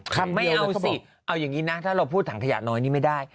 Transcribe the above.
ไม่เอาสิเอาอย่างนี้นะถ้าเราพูดถังขยะน้อยนี่ไม่ได้